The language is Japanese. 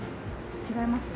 違います？